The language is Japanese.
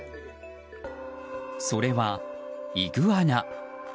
それは、イグアナ。